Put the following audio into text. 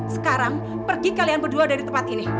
sekarang pergi kalian berdua dari tempat ini